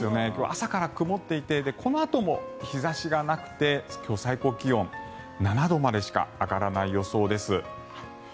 朝から曇っていてこのあとも日差しがなくて今日、最高気温７度までしか上がらない予想です。